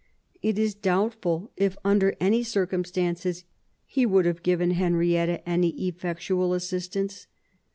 It is doubtful if, under any circumstances, he would have given Henrietta any effectual assistance.